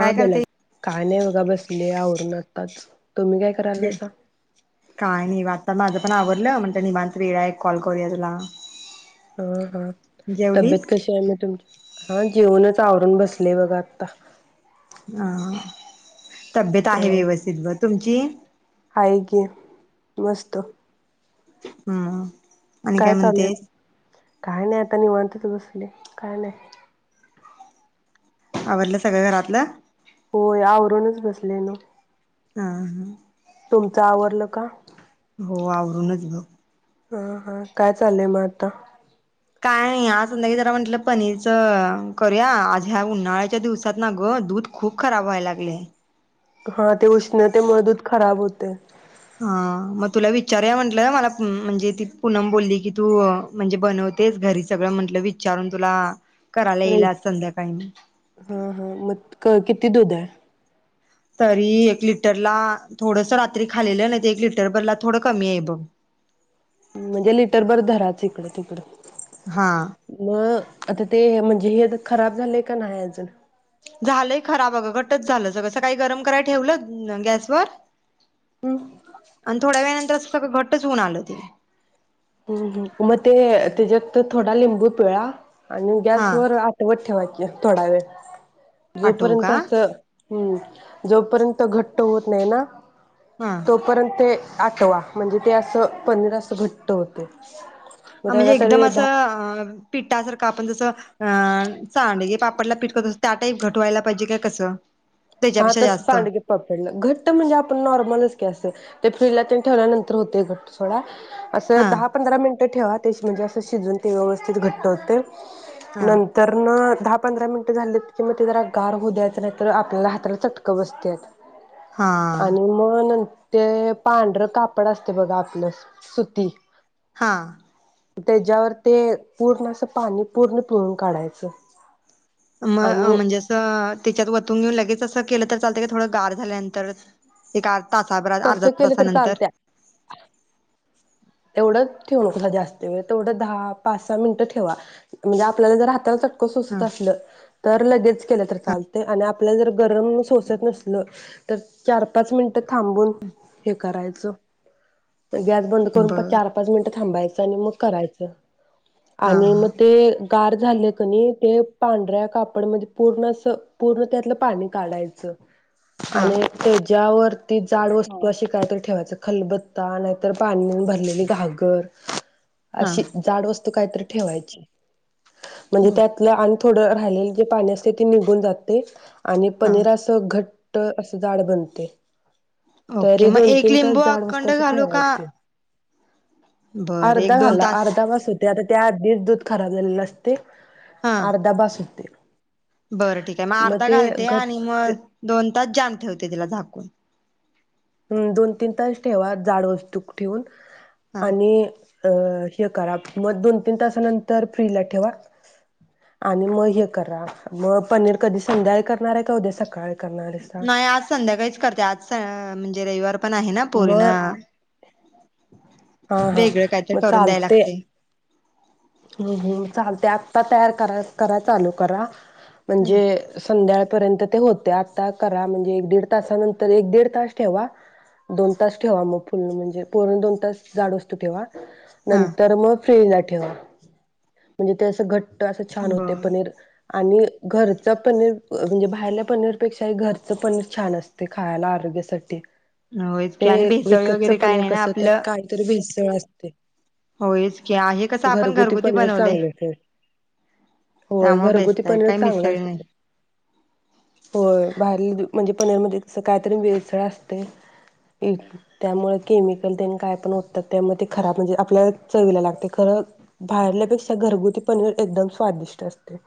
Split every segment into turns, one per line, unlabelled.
हा
काय
बोला ना,
करते?
काय नाय बघा बसलेय आवरल आत्ताचं-
[unintelligible] काय नाही आत्ता माझ- न आवरलं. म्हटलं निवांत वेळ आहे कॉल करूया तुला.
हा हा तब्येत
जेवलीस?
कशी आहे म तुमची? हा जेऊनच आवरून बसले बघा आत्ता.
अ तब्येत
अ
आहे व्यवस्थित बरी. तुमची?
हाय की -मस्त.
हम्. आणि काय म्हणतेस?
काय नाय आता निवांतच बसलेय, काय नाय
आवरलं सगळं घरातलं?
होय आवरूनच बसले ना.
हम हम.
तुमचं आवरलं का?
हो आवरूनच ग.
हा हा काय चाललंय मग आता?
काय नाही, आज म म्हंटल जरा पनीरचं करूया आज ह्या उन्हाळ्याच्या दिवसात ना ग, दूध खूप खराब व्हायला लागलंय.
हा ते उष्णतेमुळे दूध खराब होतंय.
हा -मग तुला विचारूया म्हटलं मला म ती पुनम बोलली की तू म्हणजे बनवतेस घरी सगळं म्हंटलं विचारून तुला- करायला
हा
येईल आज संध्याकाळी
हा हां म क किती दुध आहे?
तरी एक लिटरला थोडस रात्री खालेलं, नाही तर एक लिटरभरला थोडं कमी आहे बघ.
म्हणजे लिटर भर धराच हिकडं तिकडं
हा
म अ आता ते हे म्हणजे ये खराब झाले का नाही अजून?
झालंय खराब अ गं घट्टच झालं सगळ सकाळी गरम कराय ठेवलं गॅसवर
हम्म
आणि थोड्या वेळानंतर अस सगळ घटच होऊन आलं ते
हम्म मग ते त्याचात थोडा लिंबू पिळा आणि
हा
गॅस वर आठवत ठेवा एक थोडा वेळ
पाठवू का
जोपर्यंतच हम्म जोपर्यंत घट्ट होत नाहीये ना
हा
तोपर्यंते आठवा म्हणजे ते असं पनीर असं घट्ट होतेय. आहे
आम्ही एकदम असं अ पि्टासारखं आपण जसं आ सांडगे पापडला पिटकस त्या टाईप घटवायला पाहिजे कि कसं
हा
त्याच्यापेक्षा
तस
जास्त
सांडगे पापडला घट्ट म्हणजे आपण नॉर्मलच कि असं ते फ्रीजला त्येन ठेवल्यानंतर होते घट सोडा असं
हा
दहा पंधरा मिनटं ठेवा तेच म्हणजे असं शिजवून ते व्यवस्थित घट्ट होतेय
हा
नंतर न दहा पंधरा मिनिटं झालेत कि मग ते जरा गार होऊ द्यायच नाही तर आपल्याला हा ताला चटकं
हा
बसत्यात आणि म नंतर ते पांढरं कापड असते बघा आपलं सुती
हा.
त्येजावर ते पूर्ण अस पाणी पूर्ण पिळून काढायचं.
म अ
आणि
म्हणजे असं त्याच्यात वतून घेऊन लगेचच अस केलं तर चालतंय का थोडं गार झाल्यानंतर एक आर तासाबरात अर्धा
तसं केलं तर
तासानंतर
येवढं ठेवू नको सा जास्ती वेळ तेवढं दहा पाच सहा मिनिटं ठेवा म्हणजे आपल्याला जर हाताला चट कळ सोसत
हा
असल तर लगेच केल तर
हा
चालते आणि आप आपल्याला जर गरम सोसत नसल तर चार पाच मिनट तर थांबून हे करायचं स तर, गॅस बंद करून.
बर
चार - पाच मिनिट. थांबायचं आणि मग करायचं.
हा
आणि मग
हा.
ते. कार झाले कणी ते पांढऱ्या कापड म्हणजे पूर्ण अस, पूर्ण त्यातलं पाणी काढायचं.
हा
आणि तेज त्या वरती जाड वस्तू असे काय तरी ठेवायच. खलबत्ता नाहीतर पाणी भर भरलेली घागर अशी
हा
जाड तू कायतरी ठेवायची. म्हणजे त्यातलं आणि थोडं रा राहिलेला जे पाणी असतय ते, निघून जातय. आणि पनीर
हा
असं घट ट असं जाड बनतय
ओके
तरी
मग एक
दोन-तीन तास
लिंबू
जाड वस्त
अखंड
अशी
घालू का?
ठेवायची.
बरं
अर्धा
एक दोन
घाला,
तास
अर्धा बास होतय आता त्या आधीच दूध खराब झालेलं असतय
हा
त्या अर्धा बास होतोय.
बरं ठीक आहे, मग अर्धा घालते आणि
घट
मग दोन तास जाम ठेवते तिला झाकून
हम्, दोन तीन तास ठेवा जाड वस्तूक ठेवून
हा
आणि अ हे करा, मग दोन तीन तासानंतर फ्रीला ठेवा. आणि मग हे करा मग पनीर कधी संध्याकाळी करणार आहे, का उद्या सकाळी? करणार आहे सा
नाही आज संध्याकाळीच करते आज स म्हणजे ते रविवार पण आहे ना पोरीणा,
मग हा हा
वेगळ कायतरी करून द्याय लागतय.
हम्मम् चालतय आत्ता तयार कराय, करा चालू करा म्हणजे संध्या पर्यंत ते होतय आता करा. म्हणजे एक दीड तासानंतर एक दीड तास ठेवा. दोन तास ठेवा. मग फु म्हणजे पूर्ण दोन तास जाड होवू स्तर ठेवा.
हा
नंतर मग फ्री ठेवा म्हणजे ते असं घट अस छान होते
बर
पनीर आणि घरच पनीर अ म्हणजे बाहेरल्या पनीरपेक्षाही घरचं पनीर छान असतय खायाला आरोग्यासाठी.
होयच की
ते
आणि भेसळी वगैरे काय नाही ना आपलं,
[unintelligible] असतंय
होयच की आहे कसं आपण घरगुत
पनीर चांगल येतय. होय
त्यामुळे
घरगुती
बेस्ट आहे
पनीर
काही
चांगल
मिसळी
असतय.
नाही
होय बाहेरलं दे म्हणजे पनीरमध्ये असं कायतरी भेसळ असतयं की, त्यामुळे केमिकल तेन काय पण ओततात. त्यामुळे ते खराब वगैरे आपल्याला चवीला लागतयं [unintelligible] बाहेरल्यापेक्षा घरगुती पनीर, एकदम स्वादिष्ट असतयं.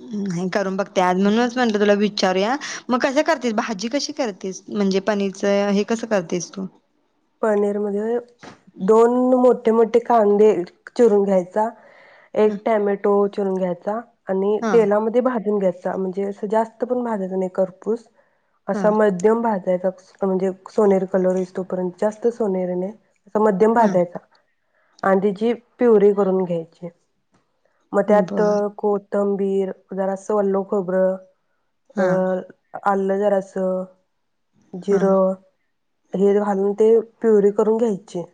नाही करून बघते आज म्हणूनचं म्हणलं तुला विचारूया. मग कसं करतेस, भाजी कशी करतेस म्हणजे पनीरचं अ हे कसं करतेस तू.
पनीर मध्ये दोन मो ठ मोठे कांद्ये चिरून घ्यायचा,
हा
एक टॅमॅटो, चिरून घ्यायचा आणि
हा
तेलामध्ये भाजून घ्याय ता मंजे असं जास्त पण भाजायच नाही कर्पूस
हा
असा मध्यम भात [unintelligible] म्हणजे सोनेरी कलर येईस तोपर्यंत जास्त सोनेरी नाय, असा मध्यम
हा
भाजायचा. आणि तिची प्युरी करून घ्यायचीय. मग
बर
त्यातं को थंबीर, जरासं ओलं खोबरं,
हा
अ आलं जरासं,
हा
जिरं [unintelligible] ते प्युरी करून घ्यायचे.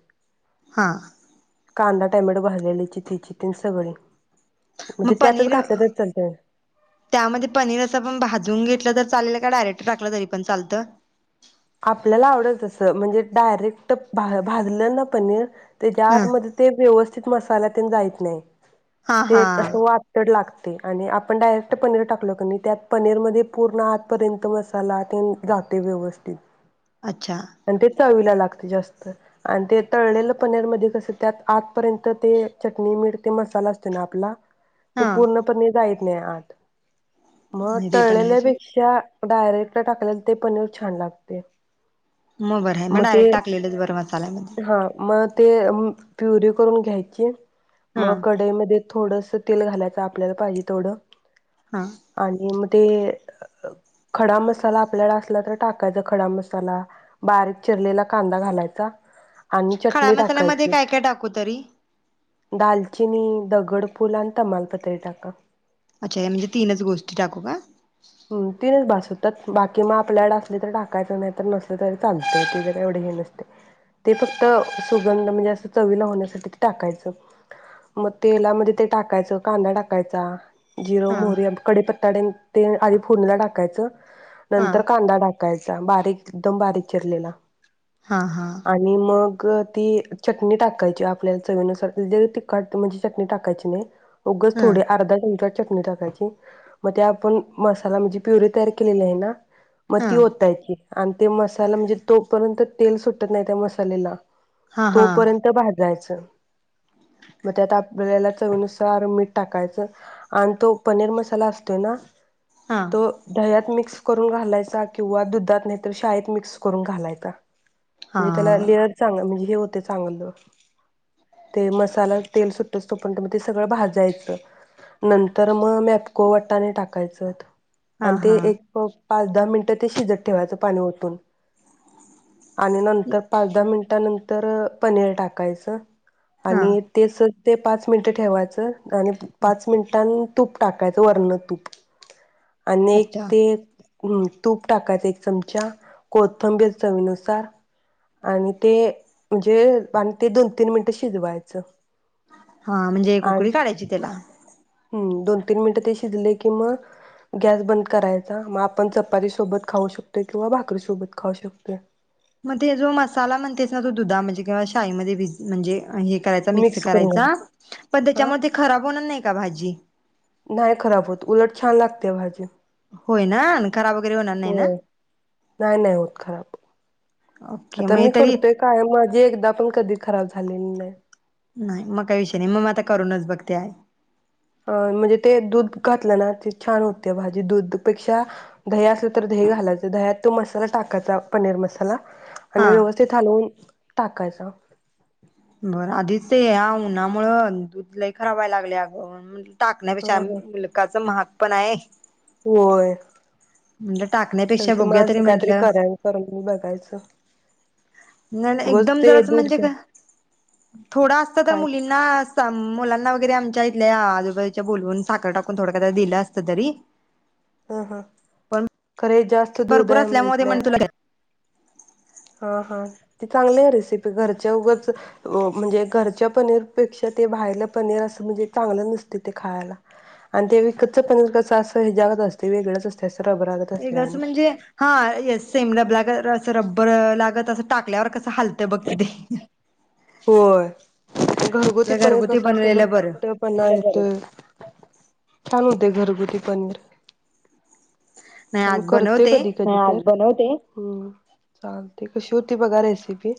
हां
कांदा, टॅमॅटो, भाजलेली चिथी चिथीन सगळी.
मग
म्हणजे त्यातच घातलं
पनीरं
तर चालतंय
त्यामध्ये पनीर असं पण भाजून घेत तर चालेल का डायरेक्टर टाकलं तरीपण चालतं?
आपल्याला आवडेलं तसं म्हणजे डायरेक्ट भा भाजलं ना पनीर तेच्या
ह
आत मध्ये ते व्यवस्थि मसाल्यातेन जाईत नाय,
हा हा
ते कसं वात्तडं लाग ते आणि आपण डायरेक्ट पनीर टाकलं क नी त्यात पनीरमध्ये पूर्ण आतपर्यंत मसाला ते जाते व्यवस्थित
अच्छा
आणि ते चावी लागते जास्त आणि ते तळलेलं पनीर मध्ये कसं त्यात आतपर्यंत ते चटणी मीठ ते मसाला असते ना आपला तो
हा
पूर्णपणे जाईल व्हय आत. मगं
नाही ते पण आहे
तळलेल्या
सोड
पेक्षा डायरेक्ट टाकलेला ते पनीर छान लाग ते.
मग बर आहे मग डायरेक्ट टाकलेलच बरं अ
हा म ते प्युरी करून घ्यायची
हा
मग कढई मध्ये थोडस तेल घालायचं आपल्याला पाहिजे तेवढ
हा
आणि म ते खडा मसाला आपल्याला असला तर टाकायचा खडा मसाला बारीक चिरलेला कांदा घालायचा आणि
खड्या
चटणी
मसाल्यामध्ये
टाकायची
काय काय टाकू तरी?
दालचिनी, दगडफुल आणि तमालपत्र टाका.
अच्छा या म्हणजे तीनच गोष्टी टाकू का?
हा ते भास होतात बाकी मग आपल्याकड असली तर टाकायचं नाही तर नसलं तरी चालतंय त्याच काय एवढे हे नसतय ते फक्त सुगंध म्हणजे असं चवीला होण्यासाठी ते टाकायचं मग तेलामध्ये ते टाकायचं कांदा टाकायचा. जिर,
हा
मोहरी, कढीप तड ते आधी फुलला टाकायचं
हा
नंतर कांदा टा टाकायचा बारीक एकदम बारीक चिरलेला
हा हा
आणि मग ती चटणी टाकायची आपल्याला चवीनुसार तिखट म्हणजे चटणी टाकायची नाही. उगाच
हा
थोडे अर्धा चमचा चटणी टाकायची म ते आपण मसाला म्हणजे प्युरीे तयार केलेली आहे ना म
हा
ती ओतायची. आणि ते मसाला म्हणजे तोपर्यंत तेल सुटत नाही त्या मसालेला
हा हा
तोपर्यंत भाजायच मग त्यात आपल्याला चवीनुसार मीठ टाकायचं आणि तो पनीर मसाला असतोय ना
हा
तो ह्यात मिक्स करू घालायचा किंवा दुधात नाही तर शाळेत मिक्स करून घालायचा.
हा
म्हणजे त्याला लेअर चांगला येईल हे होतय चांगल ते मसाला तेल सु [unintelligible] मग ते सगळं भाजायचं नंतर मग मॅपको वाटाने टाकायचं.
हा
आणि ते
हा
एक पाच दहा मिनिटं ते शिजत ठेवायचं पाणी ओतून. आणि नंतर पाच दहा मिनिटा नंत तर पनीर टाकायचं-
हा
आणि ते [unintelligible] ते पाच मिनिटं ठेवायचं- आणि पाच मिनटां तूप टाकायचं वरन तूप. आनी
अच्छा
ते- हम्म, तूप टाकायचं एक चमचा, कोथंबीर चवीनुसार आणि ते- म्हणजे आणि ते दोन तीन मिनिटं शिजवायचं.
हा म्हणजे एक उकळी काढायची त्याला.
हम्, दोन तीन मिनिटं ते शिजल कि मग गॅस बंद करायचा. मग आपण चपाती सोबत खाऊ शकतोय किंवा भाकरी सोबत खाऊ शकतोय.
मग ते जो मसाला म्हणतेस ना तो दुधामधे किंवा शाईमध्ये म्हणजे करायचा मिक्स
करून
करायचा
घालायचं
पण
हा
त्याच्यामधे खराब होणार नाही का भाजी?
नाही खराब होत, उलट छान लागते भाजी.
होय ना? अन खराब वगैरे होणार नाही ना.
होय नाही नाही होत खराब
ओके
आता
मग हे
मी
तरी
करतोय काय माझी एक पण कधी खराब झालेली नाय.
नाही मग काही विषय नाही. मग आता करूनच बघते आज.
अ -म्हणजे ते दूध घातलं ना की छान होते भाजी दूधपेक्षा दही असलं तर दही घालायचं, दह्यात तो मसाला टाकायचा पनीर मसाला. आणि
हा
व्यवस्थित हलवून टाकायच. [unintelligible]
बरं- आधीच ते या उन्हामुळं दुध लय खराब व्हायला लागलेय आगं. टाकण्यापेक्षा
हा
आ
हा
मुलखाचं महाग. पण आहे.
होय
म्हटलं टाकण्यापेक्षा
-त्यांची
बघूया
मानस काय तरी [unintelligible]
म्हंटलं
भेटायचं -
नाही, नाही, एकदम जरा म्हणजे ते थोडं असत तर,
काय
मुलींना, मुलांना वगैरे. आमच्या इथल्या आजूबाजूच्या बोलवून साखर टाकून, थोडं थोड दिलं असत तरी.
हा हा
पण
खर हे जास्त दूध
भरपूर
आहे
असल्यामुळे ते
म्हंटलं
म्हण तुला
हा हा ते चांगली आहे, रेसिपी घरच्या उगच म्हणजे घरच्या पनीरपेक्षा ते बाहेरलं पनीर असं, म्हणजे चांगलं नसते ते खायला आणि ते विकतच पनीर कसं अस‌ ह्याज्यागत असते वेगळंच असतय अस
एक असं म्हणजे हा येस लबलाग रबर लागत अस टाकल्यावर कस
होय घरगुती
आपलं
पनीर
घरगुती
कस असत
बनवलेलं बरं
घट्टपणा येतोय छान होतय, घरगुती पनीर.
नाही
आमी
आज
करतोय
बनवते
कधी कधी तर बनवते, हं चालते कशी होती बगा रेसिपि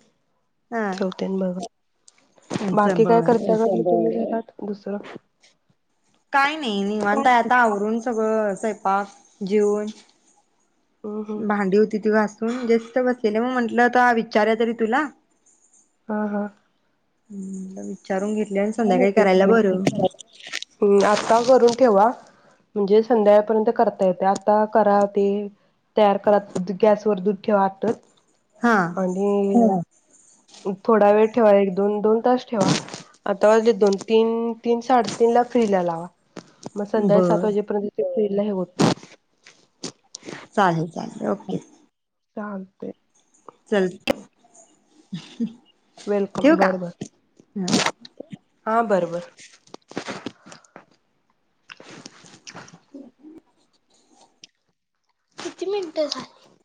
हा
ठेवते अन् बगा
बर
बाकी काय
बर
करता का तूम्ही घरात? दुसर
काय नाई निवांत हाय आता आवरून सगळं स्वयंपाक जेऊन
हम्म हम्म
भांडी होती ती घास अं जस्ट बसलेली म्हणून म्हटलं आता विचारूया तरी तुला?
अं हं
हम्म विचारून घेत
आता करून ठेवा म्हणजे संध्याकाळपर्यंत करता येते आत्ता करा ते तयार करा, गॅसवर दूध ठेवा आत्ताच
हा
आणि थोडा वेळ ठेवा, एक- दोन दोन तास ठेवा आता माझे दोन - तीन तीन -साडेतीनला फ्रीजला लावा. म संध्याकाळी सात
बर
वाजेपर्यंत फ्री लय होत
हा ओके
चालतय
चल्
वेलकम
ठेऊ का?
बर बर
हं
हा बर बरं
अहं
किती मिंट झाली?